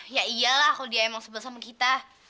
ya iyalah kalau dia emang sebel sama kita